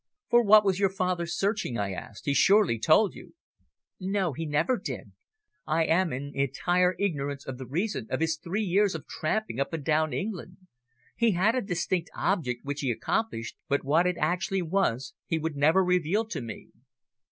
"For what was your father searching?" I asked. "He surely told you?" "No, he never did. I am in entire ignorance of the reason of his three years of tramping up and down England. He had a distinct object, which he accomplished, but what it actually was he would never reveal to me."